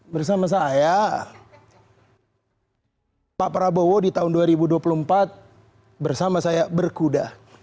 bersama saya pak prabowo di tahun dua ribu dua puluh empat bersama saya berkuda